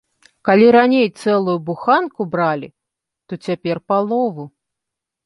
Калі раней цэлую буханку бралі, то цяпер палову.